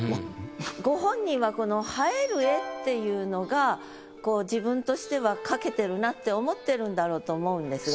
ご本人はこの「映える画」っていうのがこう自分としては書けてるなって思ってるんだろうと思うんですが。